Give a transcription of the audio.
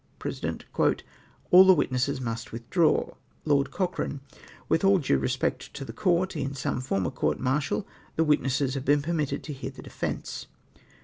Peesident. —" All the witnesses must withdraw." LoED CociiEANE. —" With all due respect to the Court, in some former courts martial the witnesses have been permitted to hear the defence.''